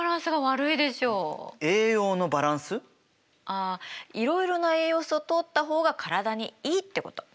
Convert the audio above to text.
あいろいろな栄養素をとった方が体にいいってこと。